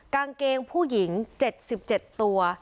กางเกงผู้หญิง๗๗ตัว